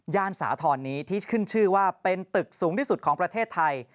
สาธรณ์นี้ที่ขึ้นชื่อว่าเป็นตึกสูงที่สุดของประเทศไทย